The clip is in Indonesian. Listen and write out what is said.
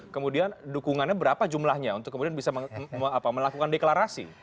kemudian dukungannya berapa jumlahnya untuk kemudian bisa melakukan deklarasi